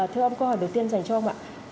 thưa ông câu hỏi đầu tiên dành cho ông ạ